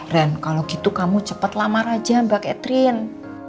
ren kalau gitu kamu cepat lamar aja mbak catherine